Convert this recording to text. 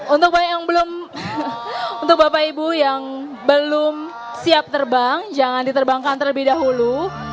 untuk banyak yang belum untuk bapak ibu yang belum siap terbang jangan diterbangkan terlebih dahulu